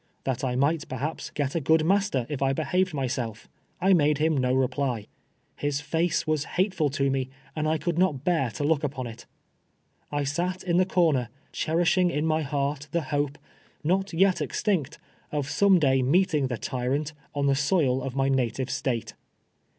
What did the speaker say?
That I might, perhajts, get a good master if I Lehaved my self I made him no rejily. His face M'as hateful to me, and 1 ci^uld not bear to lor>k upon it. I sat in the corner, cherishing in my heart the hope, nut yet extinct, of some day meeting the tyrant on the soil of my native State.